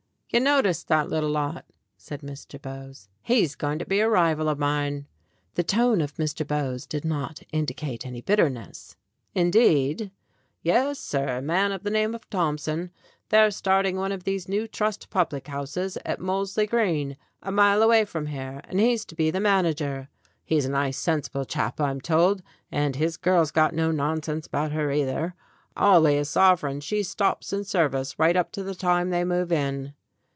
"You noticed that little lot," said Mr. Bowes. "He's going to be a rival of mine." The tone of Mr. Bowes did not indicate any bitterness. "Indeed?" "Yes, sir. Man of the name of Tomson. They're starting one of these new trust public houses at Moles ley Green, a mile away from here, and he's to be the manager. He's a nice sensible chap, I'm told, and his girl's got no nonsense about her, either. I'll lay a sovereign she stops in service right up to the time they move in."